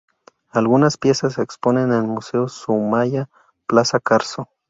Algunas piezas se exponen en Museo Soumaya Plaza Carso.